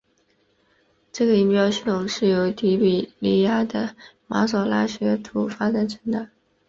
这个音标系统是由提比哩亚的马所拉学士发展成的。